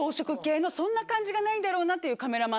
そんな感じがないんだろうなっていう。